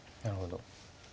なるほど。